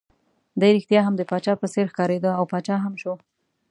دی ريښتیا هم د پاچا په څېر ښکارېد، او پاچا هم شو.